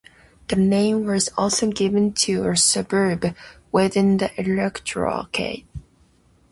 The name was also given to a suburb within the electorate.